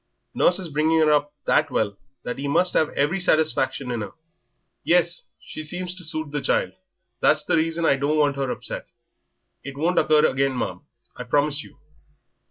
Nurse is bringing her up that well that yer must have every satisfaction in 'er." "Yes, she seems to suit the child; that's the reason I don't want her upset." "It won't occur again, ma'am, I promise you."